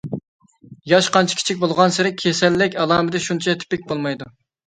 ياش قانچە كىچىك بولغانسېرى كېسەللىك ئالامىتى شۇنچە تىپىك بولمايدۇ.